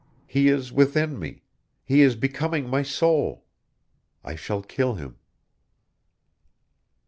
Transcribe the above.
He is within me, he is becoming my soul; I shall kill him!